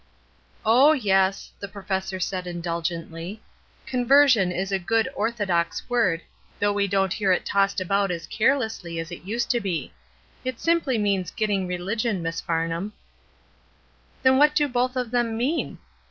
'^Oh, yes," the professor said indulgently. '*' Conversion' is a good orthodox word, though we don't hear it tossed about as carelessly as it used to be. It simply means 'getting rehgion/ Miss Farnham." ''Then what do both of them mean?"